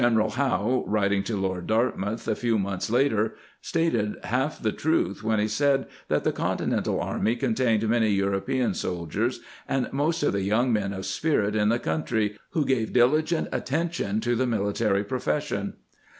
13 ] The Private Soldier Under Washington Howe, writing to Lord Dartmouth a few months later, stated half the truth when he said that the Continental arjny contained many European sol diers and most of the young men of spirit in the country, who gave diligent attention to the mili tary profession.